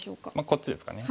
こっちですかね。